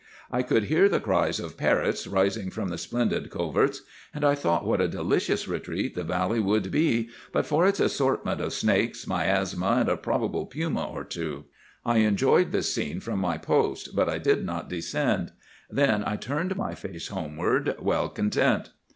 I could hear the cries of parrots rising from the splendid coverts, and I thought what a delicious retreat the valley would be but for its assortment of snakes, miasma, and a probable puma or two. I enjoyed the scene from my post, but I did not descend. Then I turned my face homeward, well content.